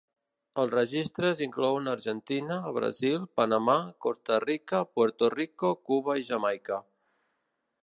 Els registres inclouen Argentina, Brasil, Panamà, Costa Rica, Puerto Rico, Cuba i Jamaica.